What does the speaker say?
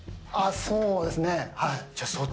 そうですね、はい。